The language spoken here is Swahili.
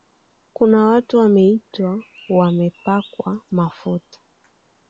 Kuna watu wameitwa, wamepakwa mafuta.